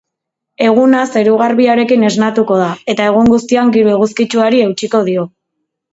Eguna zeru garbiarekin esnatuko da eta egun guztian giro eguzkitsuari eutsiko dio.